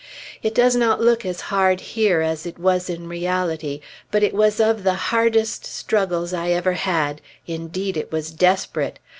It does not look as hard here as it was in reality; but it was of the hardest struggles I ever had indeed, it was desperate.